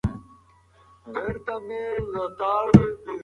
ګلالۍ د کور د چارو مسؤله ده.